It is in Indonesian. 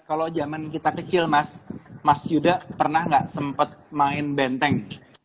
kalau zaman kita kecil mas mas yuda pernah nggak sempat main benteng